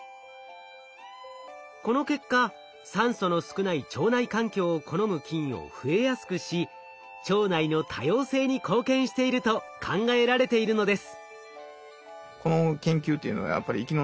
この結果酸素の少ない腸内環境を好む菌を増えやすくし腸内の多様性に貢献していると考えられているのです。